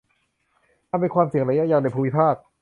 อันเป็นความเสี่ยงระยะยาวในภูมิภาค